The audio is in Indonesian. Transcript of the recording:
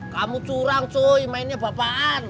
kamu curang soi mainnya bapakan